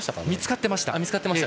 見つかっていました。